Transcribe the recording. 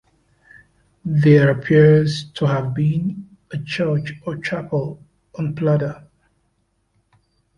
There appears to have been a church or chapel on Pladda.